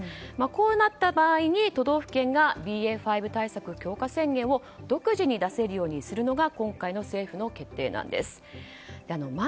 こうなった場合に、都道府県がＢＡ．５対策強化宣言を独自に出せるようにするのが今回の政府の決定です。